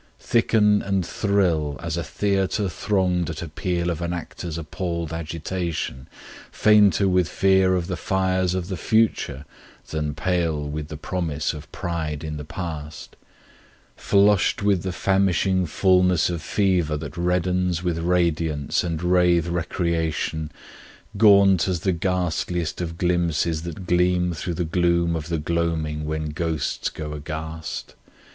Thicken and thrill as a theatre thronged at appeal of an actor's appalled agitation, Fainter with fear of the fires of the future than pale with the promise of pride in the past; Flushed with the famishing fullness of fever that reddens with radiance and rathe* recreation, [speedy] Gaunt as the ghastliest of glimpses that gleam through the gloom of the gloaming when ghosts go aghast?